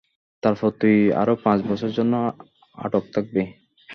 তারপর তুই আরো পাচ বছরের জন্য আটক থাকবি।